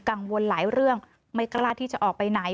กังวลหลายเรื่องไม่กล้าที่จะออกไปไหน